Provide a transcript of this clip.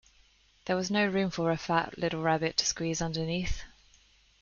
There was no room for a fat little rabbit to squeeze underneath.